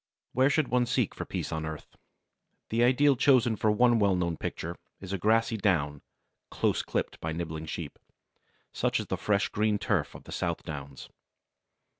Where should one seek for peace on earth? The ideal chosen for one well known picture is a grassy down "close clipt by nibbling sheep," such as the fresh green turf of the South Downs.